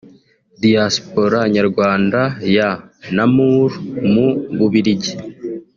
Diaspora Nyarwanda ya Namur mu Bubiligi